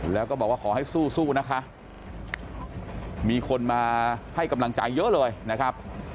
แล้วก็บอกว่าขอให้สู้นะคะมีคนมาให้กำลังใจเยอะเลยนะครับ